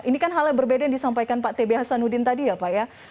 ini kan hal yang berbeda yang disampaikan pak tb hasanuddin tadi ya pak ya